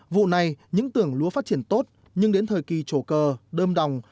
vụ này những tưởng lúa phát triển tốt nhưng đến thời kỳ trổ cờ đơn đồng